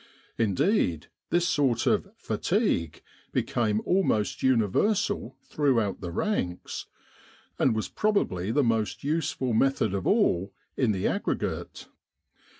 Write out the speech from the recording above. Indeed, this sort of "fatigue" became almost universal throughout the ranks, and was probably the most useful method of all, in the aggregate.